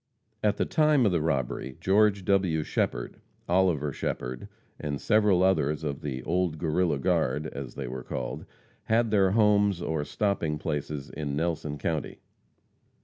At the time of the robbery, Geo. W. Shepherd, Oliver Shepherd, and several others of "the old Guerrilla guard," as they were called, had their homes or stopping places in Nelson county.